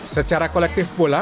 secara kolektif pula